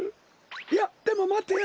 いやでもまてよ！